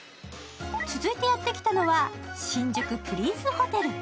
続いてやって来たのは、新宿プリンスホテル。